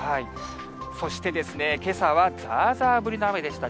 そしてですね、けさはざーざー降りの雨でした。